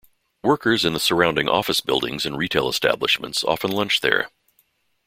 Workers in the surrounding office buildings and retail establishments often lunch there.